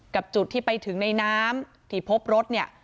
จุดที่ไปถึงในน้ำที่พบรถเนี่ย